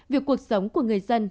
việc cuộc sống của người dân